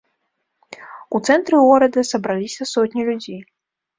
У цэнтры горада сабраліся сотні людзей.